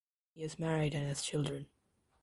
He is married and has children.